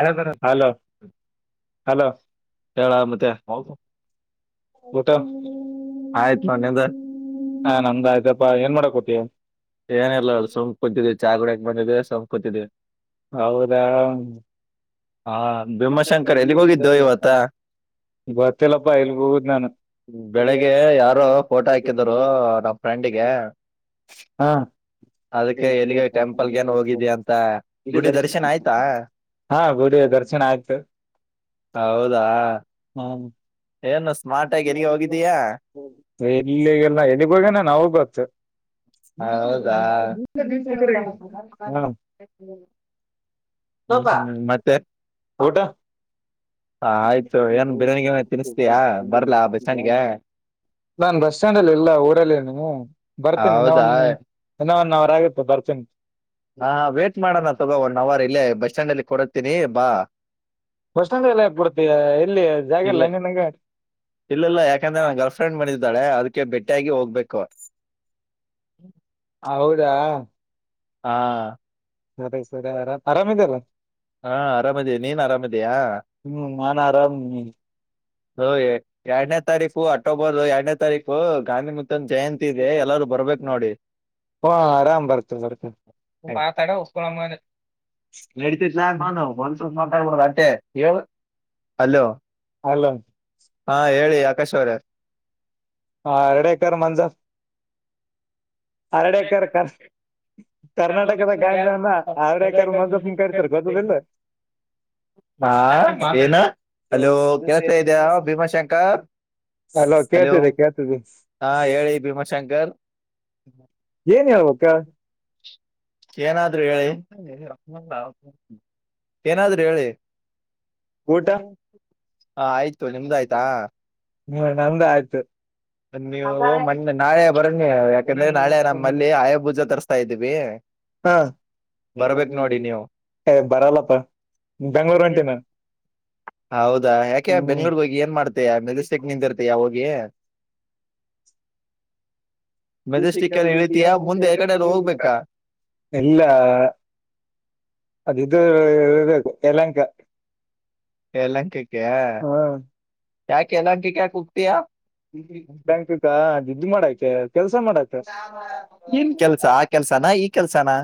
ಯ hello hello ಹೇಳ ಮತ್ತೆ ಹೌದು ಗೊತ್ತ ಆಯ್ತು ನನಿಂದ ಹಾ ನನ್ದೂ ಆಯ್ತಪ್ಪಾ ಏನ್ ಮಾಡಕ್ಕೋತಿ ಏನಿಲ್ಲ ಸುಮ್ ಕೂತಿದ್ದೆ ಚಾ ಕುಡಿಯಾಕ್ ಬಂದಿದ್ದೆ ಸುಮ್ ಕೂತಿದ್ದೆ. ಹೌದಾ ಹಾ ಭೀಮಾಶಂಕರ್ ಎಲ್ಲಿಗೆ ಹೋಗಿದ್ದೊ ಇವತ್ತ ಗೊತ್ತಿಲ್ಲಪ್ಪ ಇಲ್ಲಿ ಹೋಗುದ್ ನಾನು. ಬೆಳಿಗ್ಗೆ ಯಾರೊ ಪೋಟೋ ಹಾಕಿದರು ನಮ್ಮ್ ಫ್ರೆಂಡಿಗೆ. ಹಾ ಅದಕ್ಕೆ ಎಲ್ಲಿಗೆ ಟೆಂಪಲ್ ಏನ್ [unintelligible] ಹೋಗಿದ್ಯಾ ಅಂತ ಇಲ್ಲಿ ಗುಡಿ ದರ್ಶನ ಆಯ್ತಾ ಹಾ ಗುಡಿ ದರ್ಶನ ಆಯ್ತು ಹೌದಾ ಹ್ಮ್ ಏನು ಸ್ಮಾರ್ಟ್ ಆಗಿ ಎಲ್ಲಿಗೆ ಹೋಗಿದ್ದೀಯಾ. ಎಲ್ಲಿಗೆಲ್ಲ ಎಲ್ಲಿಗ್ಗೋಗನ ಅವಗ ಗೊತ್ತ. [inaudible] ಹೌದಾ ಹ [unintelligible] ಹ್ಮ್ ಹ್ಮ್ ಮತ್ತೆ. ಊಟಾ [inaudible] ಹ ಆಯ್ತು ಏನ್ ಬಿರಿಯಾನಿಗಿ ತಿನಿಸತಯಾ ಬರ್ಲ ಬಸ್ ಸ್ಟ್ಯಾಂಡ್ಗೆ. ನಾನ ಬಸ್ ಸ್ಟ್ಯಾಂಡ್ ಅಲ್ಲಿ ಇಲ್ಲ ಊರಲ್ಲಿ ಅದಿನಿ ಬರ್ತೀನಿ ಹೌದಾ ಇನ್ನೊಂದ [unintelligible] ಇನ್ನ ಒನ ಅವ್ರ ಆಗುತ್ತ ಬರ್ತೀನಿ. ಹಾ ವೇಟ್ ಮಾಡೋಣ ತಗೋ ಒನ್ ಅವರ್ ಇಲ್ಲೇ ಬಸ್ ಸ್ಟ್ಯಾಂಡ್ ಅಲ್ಲಿ ಕೊಡತ್ತೀವಿ ಬಾ... ಬಸ್ ಸ್ಟ್ಯಾಂಡ್ ಎಲ್ಲ ಕೂಡತಿ ಎಲ್ಲಿ ಜಾಗ ಎಲ್ಲ ನಿನ್ನಗ.. ಇಲ್ಲ ಇಲ್ಲ ಯಾಕಂದ್ರೆ ನನ್ ಗ್ರಲ್ಫ್ರೆಂಡ್ ಬಂದಿದ್ದಾಳೆ ಅದಕ್ಕೆ ಬೆಟ್ಟಿಯಾಗಿ ಹೋಗ್ಬೇಕು. ಹೌದಾ ಹಾ [unintelligible] ಆರಾಮ ಇದೆಯಲ್ಲ. ಹಾ ಆರಾಮದಿ ನೀನ ಆರಾಮದಿಯಾ? ಹ್ಮ್ ನಾನ್ ಆರಾಮ್ ಓಹೋ ಎರಡನೇ ತಾರೀಕು ಅಟ್ಟೋಬರ್ ಎರಡನೇ ತಾರೀಕು ಗಾಂಧಿಮು ಜಯಂತಿ ಇದೆ ಹ್ಮ ಎಲ್ಲಾರು ಬರ್ಬೇಕ ನೋಡಿ. ಆರಾಮ್ ಬರ್ತ ಬರ್ತ ಮಾತಾಡ ಉಸ್ಸಸುಳ್ಳೇಮಗನೆ. [unintelligible] ಒಂದ್ವಲ್ಪ ಮಾತಾಡ್ಬೋದು ಅಟ್ಟೆ ಹೇಳ [inaudible] ಅಲೋ ಹಲೋ ಹಾ ಹೇಳಿ ಆಕಾಶ ಅವರೆ. ಹಾ ಎರಡೇಕರ್ ಮಂಜರ್ ಅರಡೆೇಕರ್ ಕರ್ ಕರ್ನಾಟಕದ ಗಾಂಜನ ಅರಡೆಕರ ಮಂಜಪ್ಪನ ಕರಿತಾರ ಗೊತ್ತಇದ್ದೇಲ್ಲ ಹಾ ಏನ [inaudible] ಅಲೋ ಕೇಳ್ತಾ ಇದಿಯಾ ಭೀಮಾ ಶಂಕ [unintelligible] ಹಲೋ ಕೇಳ್ತಿದೆ ಕೇಳ್ತಿದೆ ಹಾ ಹೇಳಿ ಭೀಮಾಶಂಕರ್ ಏನ್ ಹೇಳಬೇಕ ಏನಾದ್ರರು ಹೇಳಿ [inaudible] ಅ ಏನಾದ್ರರು ಹೇಳಿ. [unintelligible] ಹಾ ಆಯ್ತ [inaudible] ಹ್ಮ ನಂದ ಆಯ್ತು ನೀವು ಮೊನ್ನೆ ನಾಳೆ ಬರೋನ್ನಿ ಯಾಕಂದ್ರೆ ನಾಳೆ ನಮ್ಮಲ್ಲಿ ಆಯಾಭೂಜ ತರ್ಸ್ತಾ ಇದ್ವಿ. ಹಾ [inaudible] ನೀವು ಏ ಬರಲ್ಲಪ್ಪ [inaudible] ಬೆಂಗ್ಳೂರು ಹೊಂಟೀನ. ಹೌದಾ ಯಾಕೆ ಬೆಂಗ್ಳೂರ್ಗ್ ಹೋಗಿ ಏನ್ ಮಾಡ್ತಯ ಮೆಜೆಸ್ಟಿಕ್ ನಿಂದ್ರ್ತಿಯ ಹೋಗಿ ಮೆಜೆಸ್ಟಿಕಲಿ ಇಳಿತೀಯ ಮುಂದೆ ಯಕ್ಕಡರ ಹೋಗ್ಬೇಕಾ. ಇಲ್ಲಾ ಇದ ಇರ್ಬೇಕ ತೆಲಂಕಾ ಯಲಂಕಿಕ ಹಾ [inaudible] ಯಾಕ ಯಲಂಕಿಕ ಯಾಕೆ ಹೋಗತಿಯಾ ಯಲಕಕ್ಕ ದುಡ್ಡು ಮಾಡಕ್ಕೆ ಕೆಲ್ಸ ಮಾಡಾಕೆ [unintelligible] ಏನ್ ಕೆಲ್ಸ ಆ ಕೆಲ್ಸನಾ ಈ ಕೆಲ್ಸನಾ?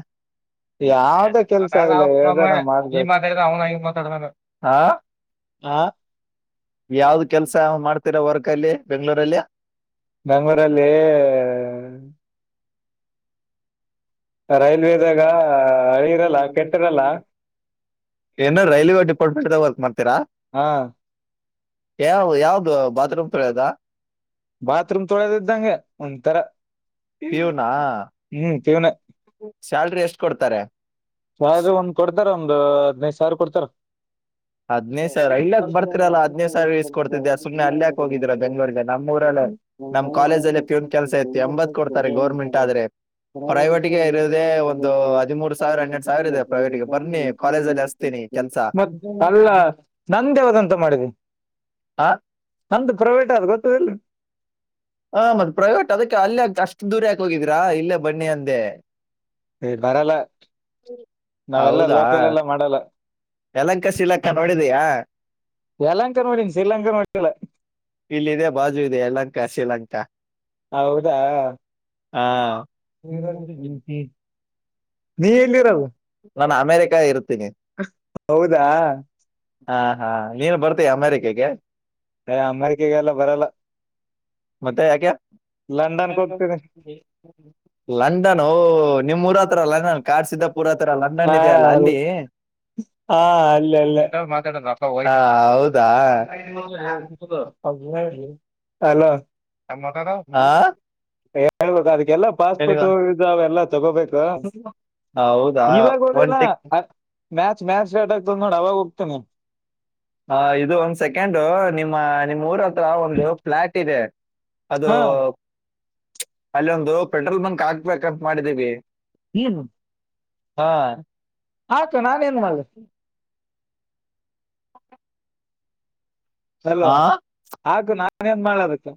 ಯಾವ್ದ ಕೆಲ್ಸ ಆಗ್ಲಿ ಯಾವ್ದಾರ [unintelligible] ನಿ ಮಾಡ್ಬೇಕು ಮಾತಾಡಿದ್ರೆ ಅವನು ಹಂಗ್ ಮಾತಾಡತನ [inaudible] ಹಾ ಹಾ ಯಾವ್ದ ಕೆಲ್ಸ ಮಾಡ್ತೀರಾ ವರ್ಕ್ ಅಲ್ಲಿ ಬೆಂಗ್ಗಳೂರಲ್ಲಿ. ಬೆಂಗಳೂರಲ್ಲಿ.... ರೈಲ್ವೆದಾಗ ಹಳಿ ಇರಲ್ಲ ಕೆಟ್ಟಿರಲ್ಲ ಏನ ರೈಲ್ವೆ ಡಿಪ್ಟ್ಮೆಟದಾಗ ವರ್ಕ್ ಮಾಡ್ತರಾ.. ಹಾ ಯಾವ ಯಾವ್ದ ಬಾತ್ರೂಮ್ ತೊಳೆಯೋದ. ಬಾತ್ರೂಮ್ ತೊಳದೇ ಇದ್ದಂಗೆ ಒಂಥರ ಪ್ಯೂನಾ ಹ್ಮ್ ತಿಗಣೆ. ಸ್ಯಾಲ್ರಿ ಎಷ್ಟ್ ಕೊಡ್ತಾರೆ. ಸ್ಯಾಲರಿ ಒಂದ್ ಕೊಡ್ತಾರ ಒಂದ್ ಹಾದಿನೈದು ಸಾವಿರ ಕೊಡ್ತಾರೆ. ಹಾದಿನೈದು ಸಾವಿರ ಇಲ್ಲಯಕ್ ಬರ್ತಿರಲ್ಲ ಹದಿನೈದು ಸಾವಿರ ಇಸಿಕೊಡ್ತಿದ್ದೆ ಸುಮ್ನೆ ಅಲ್ಲಯಕ್ ಹೋಗಿದೀರಾ ಬೆಂಗಳೂರಿಗೆ ನಮ್ಮೂರಲ್ಲೇ. ನಮ್ ಕಾಲೇಜ ಅಲ್ಲಿ ಪಿವೋನ್ ಕೆಲಸ ಇತ್ತು ಎಂಬತ್ ಕೊಡ್ತಾರೆ ಗೌರ್ಮೆಂಟ್ ಆದ್ರೆ. ಪ್ರೈವೇಟ್ಗೆ ಇರೋದೇ ಒಂದು ಹದಿಮೂರು ಸಾವಿರ ಹನ್ನೆರಡು. ಸಾವಿರ ಪ್ರೈವೇಟಗೆ ಬನ್ನಿ ಕಾಲೇಜ ಅಲ್ಲಿ ಅಸ್ತೀನಿ ಕೆಲ್ಸ. ಮತ್ ಅಲ್ಲ ನಂದ ಯಾವದಂತ ಮಾಡಿದೆ ಹಾ ನಂದು ಪ್ರೈವೇಟ್ ಆದ ಗೊತ್ತದಲ್ರಿ. ಹ ಮತ್ ಪ್ರೈವೇಟ್ ಅದಕ್ಕೆ ಅಲ್ಲೇ ಅಷ್ಟು ದೂರ ಯಾಕೆ ಹೋಗಿದೀರಾ ಇಲ್ಲೇ ಬನ್ನಿ ಅಂದೆ. ಹೇ ಬರಲ್ಲ. ನಾವೆಲ್ಲ ಹೌದಾ ಲೋಕಲ್ ಎಲ್ಲ ಮಾಡಲ್ಲ ಯಲಂಕ ಶಿಲಂಕ ನೋಡಿದಿಯಾ. ಯಲಹಂಕ ನೋಡಿನ ಶ್ರೀಲಂಕಾ ನೋಡಿಲ್ಲ. ಇಲ್ಲಿದೆ ಬಾಜು ಇದೆ ಯಲಹಂಕಾ ಶ್ರೀಲಂಕಾ. ಹೌದಾ. ಹಾ. [unintelligible] ನೀ ಎಲ್ಲಿರೋದು ನಾನ ಅಮೆರಿಕಾ ಇರ್ತೀನಿ. ಹೌದಾ ಹಾ ಹಾ ನೀನ್ ಬರ್ತೀಯಾ ಅಮೇರಿಕೆಗೆ. ಹೇ ಅಮೇರಿಕೆಗೆ ಎಲ್ಲ ಬರಲ್ಲ. ಮತ್ತೆ ಯಾಕೆ. ಲಂಡನ್ಗೆ ಹೋಗ್ತೀನಿ ಲಂಡನ್ ಓ ನಿಮ್ಮ್ ಊರಹತ್ರ ಲಂಡನ್. ಕಾಡಸಿದ್ದಪುರ್ ಹತ್ರ ಹಾ ಲಂಡನ್ ಇದೆ ಅಲ್ಲ ಅಲ್ಲಿ. ಹಾ ಅಲ್ಲೆ ಅಲ್ಲೆ. ಹೌದಾ. ಹಲ್ಲೋ. ಹಾ. ಹೇಳಬೇಕು ಅದಕ್ಕೆಲ್ಲಾ ಏನಿವ ಪಾಸ್ಪೋರ್ಟ್ ವಿಜಾ ಅವೆಲ್ಲಾ ತಗೋಬೇಕು. ಆ, ಹೌದಾ ಇವಾಗ ಒಂದ್ ಹೋಗದಿಲ್ಲ ನಾ ಟಿಕ್ ಅ ಮ್ಯಾಚ್ ಮ್ಯಾಚ್ ಸ್ಟಾಟ್ ಆಗ್ತದ ನೋಡ ಅವಾಗ ಹೋಗ್ತನಿ. ಹ ಇದು ಒಂದ ಸೆಕೆಂಡ್ ನಿಮ್ಮ ನಿಮ್ಮ್ ಊರ ಹತ್ರ ಒಂದು ಫ್ಲಾಟ್ ಇದೆ. ಅದು ಹಾ ಅಲ್ಲೊಂದು ಪೆಟ್ರೋಲ್ ಬಂಕ್ ಹಾಕ್ಬೇಕಂತ ಮಾಡಿದೀವಿ. ಏನು ಹಾ. ಹಾಕು ನಾನ್ ಏನ್ ಮಾಡ್ಲಿ. ಅಲ್ವಾ ಹಾ ಹಾಕ್ ನಾನೇನ್ ಮಾಡ್ಲಿ ಅದಿಕ್ಕೆ.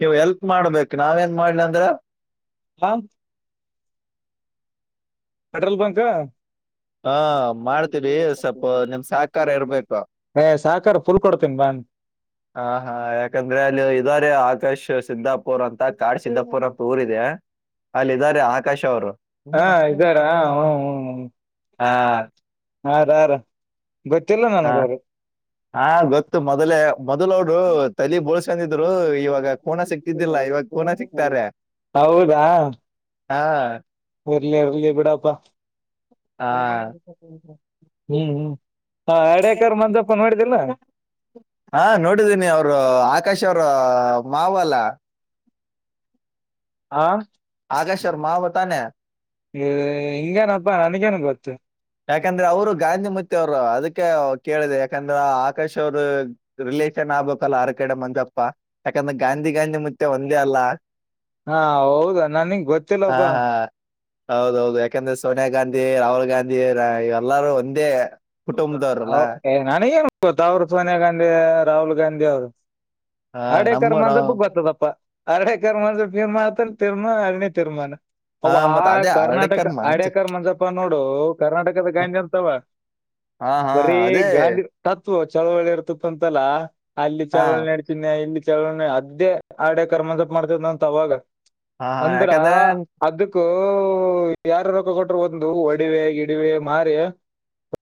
ನೀವು ಹೆಲ್ಪ್ ಮಾಡ್ಬೇಕ್ ನಾವೇನ್ ಮಾಡ್ಲ್ ಅಂದ್ರ್. ಹಾ ಪೆಟ್ರೋಲ್ ಬಂಕ್. ಹಾ ಮಾಡ್ತಿವ್ರಿ ಸ್ವಲ್ಪ ನಿಮ್ ಸಹಕಾರ ಇರ್ಬೇಕು. ಏ ಸಹಕಾರ ಫುಲ್ ಕೊಡ್ತೇನೀ ಬಾ. ಹಾ ಹ ಯಾಕಂದ್ರೆ ಅಲ್ಲಿ ಇದಾರೆ ಆಕಾಶ್ ಸಿದ್ದಾಪುರ್ ಅಂತ ಕಾಡ್ ಸಿದ್ದಾಪುರ್ ಅಂತ ಊರ ಇದೆ. ಅಲ್ಲೆ ಇದ್ದಾರೆ ಆಕಾಶ್ ಅವರು. ಹಾ ಇದ್ದಾರಾ ಹು ಹು ಹು. ಹಾ. ಹಾರಾರ್ ಗೊತ್ತಿಲ್ಲ ನನಗ್ ಅವ್ರ್ ಹಾ ಗೊತ್ತು ಮೊದ್ಲೆೇ ಮೊದ್ಲೌರು ತಲಿ ಬೋಳ್ಸಂದಿದ್ರು ಇವಾಗ ಕೋನ ಸಿಕ್ತಿದ್ದಿಲ್ಲ ಇವಾಗ್ ಕೋನ ಸಿಕ್ತಾರೆ ಹೌದಾ ಇರ್ಲಿ ಇರ್ಲಿ ಬಿಡಪ್ಪ ಹಾ [unintelligible] ಹ್ಮ್ ಅ ಹಡೇಕರ್ ಮಂದಪ್ಪ ಮಾಡಿದ್ದಿಲ್ಲ ಹಾ ನೋಡಿದೀನಿ ಅವ್ರು ಆಕಾಶ್ ಅವ್ರ್ ಮಾವ ಅಲ್ಲ ಹಾ ಆದರ್ಶ್ ಅವ್ರ್ ಮಾವ ತಾನೇ ಹ್ ಹಿಂಗೇನಪ್ಪ ನನಗೇನ್ ಗೊತ್ತು ಯಾಕಂದ್ರೆ ಅವರು ಗಾಂಧಿಮತ್ತಿ ಅವರು ಅದ್ಕೆ ಕೇಳ್ದೆ ಯಾಕಂದ್ರ ಆಕಾಶ್ ಅವರು ರಿಲೇಷನ್ ಆಗ್ಬೇಕಲ ಆರ ಕಡೆ ಮಂಜಪ್ಪ ಯಾಕಂದ್ರೆ ಗಾಂಧಿ ಗಾಂಧಿ ಮುತ್ತೆ ಒಂದೇ ಅಲ್ಲ ಹಾ ಹೌದಾ ನನ್ಗ್ ಹಾ ಗೊತ್ತಿಲ್ಲಪ್ಪ ಹಾ ಹೌದೌದು ಯಾಕಂದ್ರೆ ಸೋನಿಯಾ ಗಾಂಧಿ ರಾಹುಲ್ ಗಾಂಧಿ ಇವರ್ ಎಲ್ಲಾರೂ ಒಂದೇ ಕುಟುಂಬದವ್ರಲ್ಲ ಒ ಏ ನನ್ಗೇನ್ ಗೊತ್ ಅವ್ರು ಸೋನಿಯಾ ಗಾಂಧಿ ರಾಹುಲ್ ಗಾಂಧಿ ಅವ್ರು ಹಾ ಹಡೆ ನಮ್ಮ ಕರ್ಮ ಅಂದ್ ನಾವ್ [unintelligible] ಬರ್ತ್ತದಪ್ಪ ಅರ್ಡೆ ಕರ್ಮಚ ತಿರ್ಮ ಅತ ತಿರ್ಮ ಅನ ತಿರ್ಮಾನ [unintelligible] ಹಾ ಅವ್ವ ಮತ್ ಅದೇ ಅರಡೇಕರ್ ಕರ್ನಾಟಕ ಮಂಜ್ ಆಡ್ಯಕರ್ ಮಂಜಪ್ಪ ನೋಡು ಕರ್ನಾಟಕದ ಗಂಜೆ ಅಂತವ ಹಾ ಹಾ ಬರೀ ಅದೇ ಗಾಂಧಿ ತತ್ವ ಚಳವಳಿ ಇರ್ತ್ತತ ಅಂತಲ್ಲ ಅಲ್ಲಿ ಹಾ ಚಳವಳಿ ನಡ [unintelligible] ಸಿನ್ಯ ಇಲ್ಲಿ ಚಳವಣ ಅದ್ದೇ ಆಡ ಕರ್ಮಂಸಪ್ ಮಾಡ್ತದ ಅಂತ ಅವಾಗ ಹಾ ಹಾ ಅಂದ್ರ ಯಾಕಂದ್ರೆ ಅದಕ್ಕೂ ಯಾರ ರೊಕ್ಕ ಕೊಟರು ಒಂದು ಒಡಿವೆ ಗಿಡಿವೆ ಮಾರಿ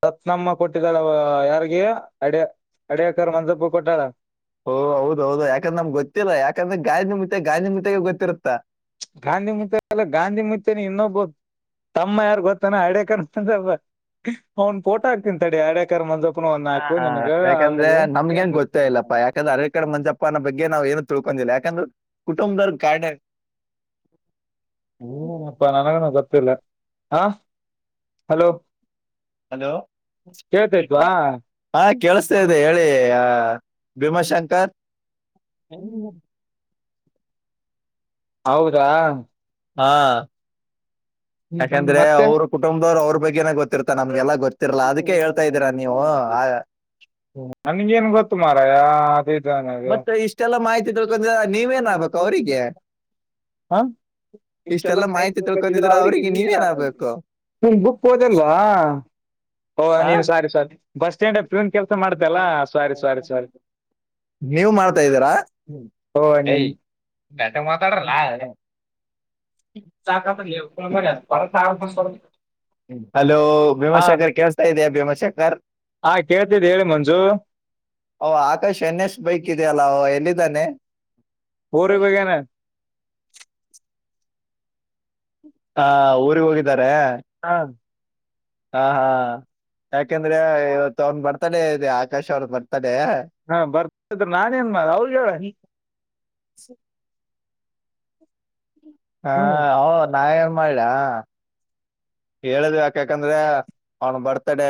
ರತ್ನಮ್ಮ ಕೊಟ್ಟಿದ್ದಳ ಯಾರಿಗೆ ಅಡ ಅಡ್ಯಕರ್ ಮಂಜಪ್ಪ ಕೊಟ್ಟಳ ಹಓ ಹೌದ ಹೌದು ಯಾಕಂದ್ರ ನಮ್ ಗೊತ್ತಿಲ್ಲ ಯಾಕಂದ್ರೆ ಗಾಂಧಿ ಮುತ್ತೇ ಗಾಂಧಿ ಮುತ್ತೇಗೆ ಗೊತ್ತಿರುತ್ತೆ ಗಾಂಧಿ ಮುತ್ತೇ ಎಲ್ಲ ಗಾಂಧಿ ಮುತ್ತೆನ ಇನ್ನೊಬೋದು ತಮ್ಮ ಯಾರ್ ಗೊತ್ತಾನ ಅಡ್ಯಕಂದ [unintelligible] ಅವ್ನ್ ಫೋಟ ಹಾಕ್ತಿಂತ ತಡೆ ಅಡ [unintelligible] ಹ ಯಾಕಂದ್ರೆ ನಮ್ಗೆನ್ ಗೊತ್ತಾ ಇಲ್ಲಪ್ಪಾ ಯಾಕಂದ್ರ ಅರ ಕಡೆ ಮಂಜ [unintelligible] ಪ್ಪ ಅನ್ನ ಬಗ್ ನಾ್ ಏನು ತಿಳ್ಕೊಂಡಿಲ್ಲ ಯಾಕಂದ್ರೆ ಕುಟುಂಬದವರು ಕಡ [unintelligible] ಹನಪ್ಪಾ ನನಗನ ಗೊತ್ತಿಲ್ಲ ಹ ಹಲೋ ಹಲೋ ಐ ಕೇಳ್ತೈತ್ವಾ [unintelligible] ಹಾ ಕೇಳಸ್ತ ಇದೆ ಹೇಳಿ ಭೀಮಾಶಂಕರ್ ಹ [unintelligible] ಹೌದಾ ಹಾ ಹ್ಮ್, ಹ್ಮ್, ಯಾಕಂದ್ರೆ ಮತ್ತೆ ಅವ್ರ ಕುಟುಂಬದವ್ ಅವ್ರ ಬಗೆೇನ ಗೊತ್ತಿರುತ ನಮ್ಗೆಲ್ಲಾ ಗೊ [unintelligible] [unintelligible] ನನ್ಗೇನ್ ಗೊತ್ತು ಮಾರಯ ಅ [unintelligible] [unintelligible] ಇಷ್ಟೆಲ್ಲ ಮಾಹಿತಿ ತಿಳ್ಕೊಂಡ ನೀವೇನಾಗ್ಬೇಕು ಅವರಿಗೆ ಹಾ ಇಷ್ಟೆಲ್ಲ ಮಾಹಿತಿ ತಿಳ್ಕೊಂಡಿದ್ರೆ ಅವ್ರಿಗೆ ನೀವೇನ್ಬೇಕು ನಿಮ್ ಬುಕ್ ಹೋದಲ್ವಾ ಹಓ ಆ ನೀನ್ ಸಾರಿ ಸಾರಿ ಬಸ್ ಸ್ಟ್ಯಾಂಡ್ ಪೂನ್ ಕೆಲಸ ಮಾಡ್ತಲ್ಲಾ ಸಾರಿ ಸವಾರಿ ಸಾರಿ ನೀವ ಮಾಡ್ತಾದೀರಾ ಓ ಏ ನೀನ್ ನೇಟಗ ಮಾತಾಡರಲ್ಲ ಚಕ ಬ ದ ಬರ ಬ ಲಾ ಬ [unintelligible] ಹಲೋ ಹಾ ಭೀಮಾಶಂಖರ್ ಕೆೇಳ್ತಾ ಇದಯಾ ಭೀಮಾಶಂಖರ್ ಹಾ ಕೇಳ್ತಿದ್ ಹೇಳಿ ಮಂಜು ಓ ಆಕಾಶ್ ಎನ್ ಎಸ್ ಬೈಕ್ ಇದೆಯಲ್ಲ ಅವ ಎಲ್ಲಿದ್ದಾನೆ ಹೋರಿಗ ಹೋಗ್ಯಾನ. ಹ ಊರಿಗ ಹೋಗಿದ್ದಾರೆ. ಹಾ ಹಾ ಹಾ ಯಾಕಂದ್ರೆ ಇವತ್ತು ಅವ್ನ್ ಬರ್ತಡೆ ಇದೆ ಆಕಾಶ್ ಅವ್ರದ ಬರ್ತಡೆ. ಹಾ ಬರ್ತದ ನಾನೇಏನ್ ಮಾಡ ಅವಗ ಹೇಳ ನೀ. ಹಾ ಹ್ಮ್ ಹೌದು ನಾ ಏನ್ ಮಾಡಲಾ. ಹೇಳುದು ಯಾಕಕಂದ್ರೆ ಅವ್ನ ಬರ್ತ್ಡೇ.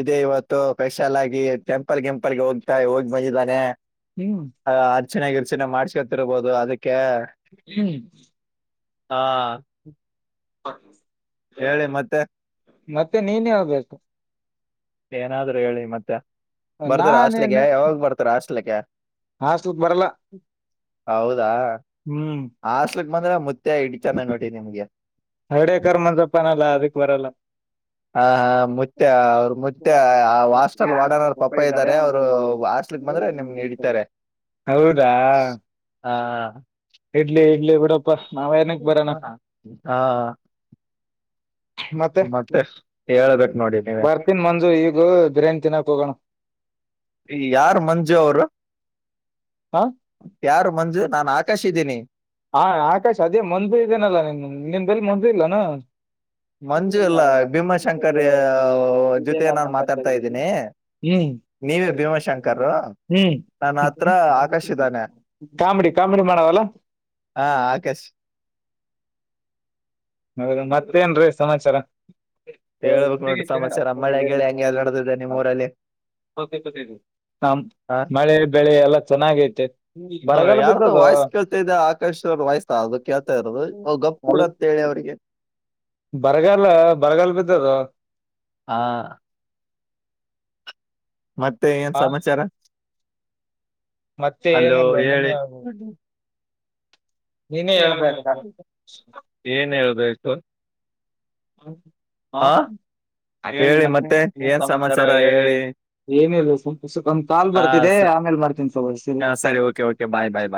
ಇದೆ ಇವತ್ತು ಪೆಷಲ್ ಆಗಿ ಟೆಂಪಲ್ ಗೆಂಪಲ್ಗೆ ಹೋಗ್ತಾ ಹೋಗಿ ಬಂದಿದ್ದಾನೆ. ಹು. ಅ ಅರ್ಚನೆ ಗಿರ್ಚನೆ ಮಾಡ್ಸ್ಕೊತಿರ್ಬೋದು ಅದಕ್ಕೆ. ಹು. ಹಾ ಹೇಳಿ ಹೇಳಪ್ಪಿ ಮತ್ತೆ ಮತ್ತೆ ನೀನೇ ಹೇಳಬೇಕು. ಏನಾದ್ರು ಹೇಳಿ ಮತ್ತೆ ಬರ್ತಾರ ನಾನೇನ್ ಹಾಸ್ಟಾಲಕ್ಕೆ ಯಾವಾಗ ಬರ್ತಾರ ಹಾಸ್ಟಿಲ್ ಕ್ಕೆ. ಹಾಸ್ಟಾಲ್ಕ್ ಬರಲ್ಲಾ ಹೌದಾ ಹು. ಹಾಸ್ಟೆಲ್ಕ ಬಂದ್ರೆ ಮುತ್ಯಾ ಹಿಡೀತಾನೆ ನೋಡಿ ನಿಮಿಗೆ. ಹರ್ಡೇಕರ್ ಮಂಜಪ್ಪ ಅನಲ್ಲ ಅದಕ್ ಬರಲ್ಲ ಹಾ ಹಾ ಮುುತ್ಯಾ ಅವರ ಮುತ್. ನಿ ಹಂಗ ಹೋಗ್ತಿಯಾ ಮುತ್ಯಾ ಇದ್ದಾರೆ ಇದಾಯೇನು ಅವ್ರು ಹಂಗ ಹಾಸ್ಟ್ಲಿಗ್ ಹೋದ್ರ ಬಂದ್ರೆ ನಿಮ್ನ ಹಿಡೀತಾರ. ಹಿಡಿತಾರೆ ಹೌದಾ ಹಾ ಇಡ್ಲಿ ಇಡ್ಲಿ ಬಿಡು. ಪ್ಪ ನಾವೆ. ಇವನಾ ಹಾ. ಮತ್ತೆ ಹೇಳಬೇಕ ಹೇಳ್ಬೇಕ್ ನೋಡಿ ನೀವೇ ಬರ್ತಿನ ಮಂಜು ಈಗ ಬಿರ್ಯಾನ್ ತಿನ್ನಾಕ ಹೋಗೋಣ. ಇ ಯಾರ ಮಂಜು ಅವರು. ಆ. ಯಾರು ಮಂಜು ನಾನ್ ಆಕಾಶಿದ್ದೀನಿ. ಹಾ ಆಕಾಶ ಅದೇ ಮಂಜು ಇದೇನಲ್ಲಾ ನಿ ನಿನ ಬೆಲ ಮಂಜೂ ಇಲ್ಲಾನ. ಮಂಜು ಇಲ್ಲಾ ಭೀಮಾಶಂಕರಿ ಅವ ಜೊತೆ ನಾನು ಮಾತಾಡ್ತಾ ಇದ್ದೀನಿ. ನೀವೇ ಭೀಮಾಶಂಕರು ನನ್ನ ಹತ್ರಾ ಹ್ಮ್ ಆಕಾಶಿದ್ದಾನೆ. Comedy comedy ಮಾಡವಲ್ಲಾ. ಹಾ ಆಕಾಶ್. ಹೌದ ಮತ್ತೇನ್ರೀ ಸಮಾಚಾರಾ. ಸರಿ ಹೇಳ್ಬೇಕ್ ನೋಡ್ರಿ ಸುತಿಗಿತ್ತೇನು ಸಮಾಚಾರ ಎ ಮಳೆ ಇಲ್ಲಾ ಗಿಳೆ ಹೆಂಗೆ ರಿ ನಡ್ದಿದೆ ನಿಮ್ ಹಾ. ಊರಲ್ಲಿ ಹೋತಿ ಕೂತಿದೇವಿ ಹ ತಮ್ಮ ಮಳೆ ಬೆಳೆ ಎಲ್ಲ ಚೆನ್ನಾಗೈತೆ. ಬರಗಾಲ ಯಾರ್ದು ಬಿದ್ದದು, ವಾಯ್ಸ್ ಕೇಳ್ತಾ ಇದೆ ಆಕಾಶ್ ಅವ್ರ ವಾಯ್ಸ್ ಅದು ಕೇಳ್ತಾ ಇರೋದು ಓ ಗಪ್ ಕೂಡ ಅಲ್. ಅಂತ ಹೇಳಿ ಅವ್ರಿಗೆ ಬರಗಾಲಾ ಬರಗಾಲ ಬಿದ್ದದೋ. ಹಾ ಮತ್ತೆ ಏನ್ ಆ, ಸಮಾಚಾರಾ ಮತ್ತೆ ಹಲೋ ಏನಿಲ್ಲ ಹೇಳಿ. ನೀನೇ ನೀನೇ ನೀನೆ ಹೇಳ್ಬೇಕ ಹೇಳಬೇಕು ಏನಹೇಳಬೇಕು. ಹ ಹಾ ಹೇಳಿ ಮತ್ತೆ ಸಮಾಚಾರಾ ಹೇಳಿ. ಏನಿಲ್ಲ ಸಬ್ ಒಂದ್ ಕಾಲ್ ಹಾ ಬರ್ತಿದೆ ಆಮೇಲೆ ಮಾಡ್ತನಿ ತೋರಿ ಸರಿನಾ ಸರಿ ಓಕೆ ಬಾಯ್ ಬಾಯ್.